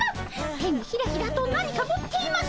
手にヒラヒラと何か持っています。